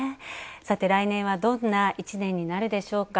来年はどんな一年になるでしょうか。